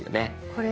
これ？